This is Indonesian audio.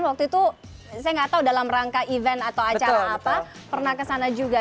waktu itu saya nggak tahu dalam rangka event atau acara apa pernah kesana juga